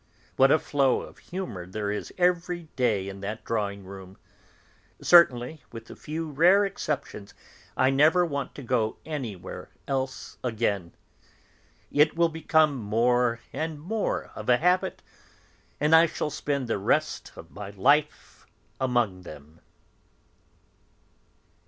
What a flow of humour there is every day in that drawing room! Certainly, with a few rare exceptions, I never want to go anywhere else again. It will become more and more of a habit, and I shall spend the rest of my life among them."